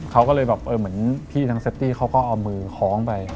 เขาก็เลยแบบเหมือนพี่ทางเซฟตี้เขาก็เอามือคล้องไป